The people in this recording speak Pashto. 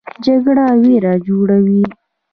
جګړه ویر جوړوي